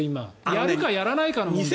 やるかやらないかの問題。